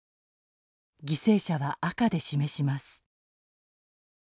犠牲者は赤で示します。